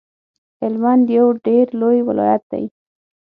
هلمند یو ډیر لوی ولایت دی